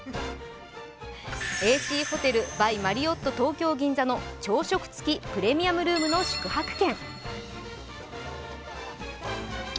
ＡＣホテル・バイ・マリオット東京銀座の朝食付きプレミアムルームの宿泊券。